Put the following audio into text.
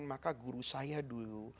maka guru saya dulu